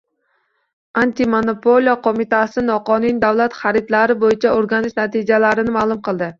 Antimonopoliya qo‘mitasi noqonuniy davlat xaridlari bo‘yicha o‘rganish natijalarini ma'lum qildi